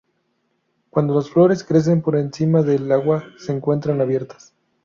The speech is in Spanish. Cuando las flores crecen por encima del agua se encuentran abiertas.